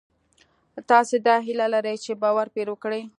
تاسې دا هیله لرئ چې باور پرې وکړئ